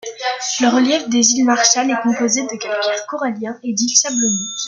Le relief des Îles Marshall est composé de calcaire corallien et d’îles sablonneuses.